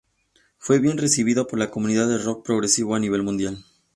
Fue bien recibido por la comunidad del rock progresivo a nivel mundial.